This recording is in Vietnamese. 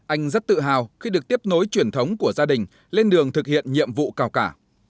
anh rất tự hào khi được tiếp nối truyền thống của gia đình lên đường thực hiện nhiệm vụ cao cả